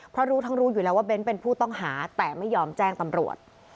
เพราะรู้ทั้งรู้อยู่แล้วว่าเน้นเป็นผู้ต้องหาแต่ไม่ยอมแจ้งตำรวจ